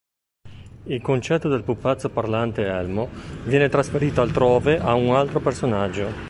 Il concetto del pupazzo parlante Elmo viene trasferito altrove a un altro personaggio.